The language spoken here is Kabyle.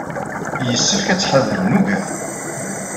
Yessefk ad ttḥadaren ugar.